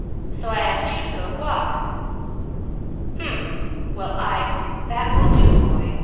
So I asked you to go to walk." "Humph! Well, I That will do, boy.